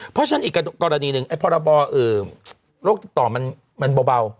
เพราะฉะนั้นอีกกรณีหนึ่งไอ้พรบโรคติดต่อมันเบา